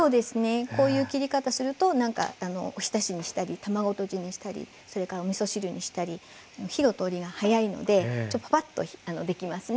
こういう切り方するとおひたしにしたり卵とじにしたりそれからおみそ汁にしたり火の通りがはやいのでパパッとできますね。